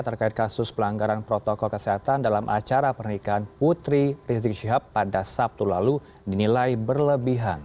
terkait kasus pelanggaran protokol kesehatan dalam acara pernikahan putri rizik syihab pada sabtu lalu dinilai berlebihan